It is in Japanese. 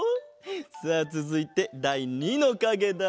さあつづいてだい２のかげだ。